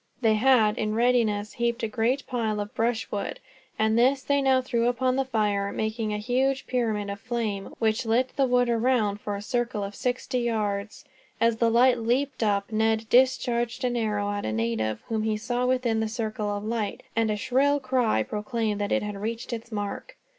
They had, in readiness, heaped a great pile of brushwood; and this they now threw upon the fire, making a huge pyramid of flame, which lit the wood around for a circle of sixty yards. As the light leaped up, Ned discharged an arrow at a native, whom he saw within the circle of light; and a shrill cry proclaimed that it had reached its mark.